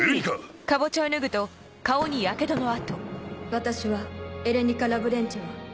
私はエレニカ・ラブレンチエワ。